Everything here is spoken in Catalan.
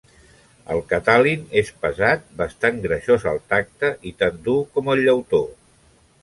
El Catalin és pesat, bastant greixós al tacte i tan dur com el llautó.